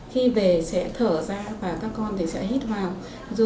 khi về sẽ thở ra và các con thì sẽ hít vào